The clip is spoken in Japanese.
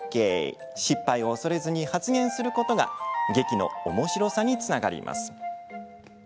失敗を恐れずに発言することが劇のおもしろさにつながります。